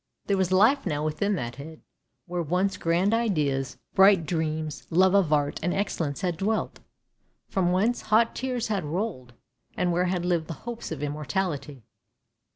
There was life now within that head, where once grand ideas, bright dreams, love of art, and excellence had dwelt — from whence hot tears had rolled, and where had lived the hope of immortality.